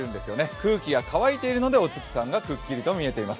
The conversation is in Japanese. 空気が乾いているのでお月さんがくっきりと見えています。